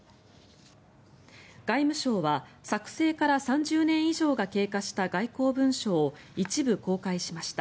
外務省は作成から３０年以上が経過した外交文書を一部公開しました。